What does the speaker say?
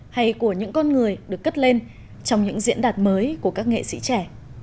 hay của những con người được cất lên trong những diễn đạt mới của các nghệ sĩ trẻ